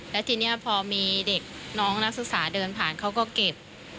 แล้วทีนี้พอมีเด็กน้องนักศึกษาเดินผ่านเขาก็เก็บ